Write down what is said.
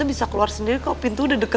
oh iya ya terima kasih banyak